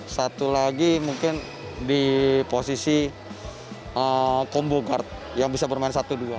satu lagi mungkin di posisi combo guard yang bisa bermain satu dua